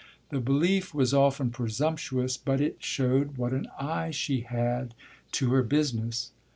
The belief was often presumptuous, but it showed what an eye she had to her business.